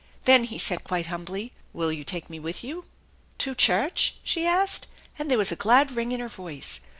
Then he said quite humbly, " Will you take me with you?" "To church?" she asked, and there was a glad ring in her voice.